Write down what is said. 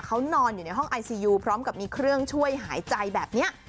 เขานอนอยู่ในห้องไอซียูพร้อมกับมีเครื่องช่วยหายใจแบบนี้